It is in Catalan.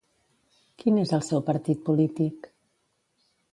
Quin és el seu partit polític?